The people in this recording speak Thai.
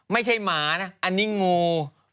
ไม่ใช่หมานะอันนี้งู